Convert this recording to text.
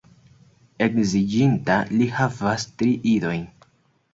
Edziĝinta, li havas tri idojn.